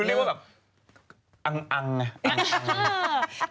เรียกว่าแบบอังไง